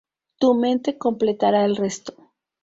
Tu mente completará el resto".